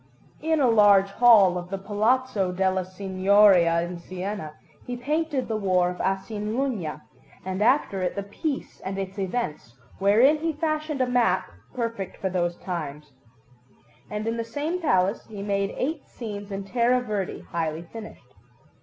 In a large hall of the Palazzo della Signoria in Siena he painted the War of Asinalunga, and after it the Peace and its events, wherein he fashioned a map, perfect for those times; and in the same palace he made eight scenes in terra verde, highly finished.